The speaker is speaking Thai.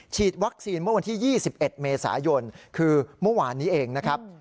ฉีดวัคซีนเมื่อวันที่๒๑เมษายนคือเมื่อวานนี้เองนะครับ